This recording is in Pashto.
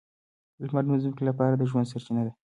لمر د ځمکې لپاره د ژوند سرچینه ده.